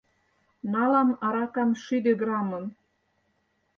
Налам аракам шӱдӧ граммым.